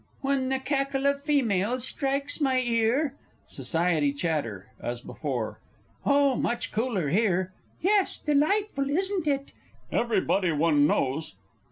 _ When the cackle of females strikes my ear SOCIETY CHATTER (as before). Oh, much cooler here.... Yes, delightful, wasn't it? Everybody one knows....